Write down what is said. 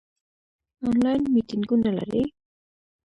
آنلاین میټینګونه لرئ؟